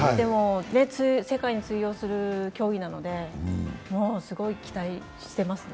世界に通用する競技なのですごい期待してますね。